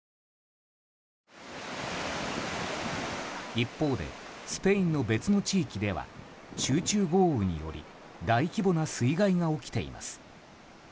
一方でスペインの別の地域では集中豪雨により大規模な水害が起きています。